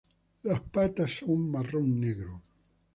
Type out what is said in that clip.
Las patas son marrón-negro.